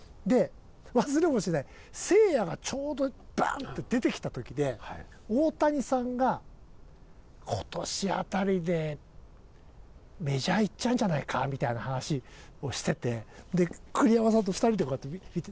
忘れもしない誠也がちょうどバーンって出てきた時で大谷さんが今年辺りでメジャー行っちゃうんじゃないかみたいな話をしてて栗山さんと２人でこうやって見て。